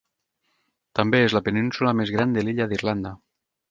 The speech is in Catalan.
També és la península més gran de l'illa d'Irlanda.